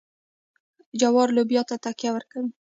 جوار لوبیا ته تکیه ورکوي.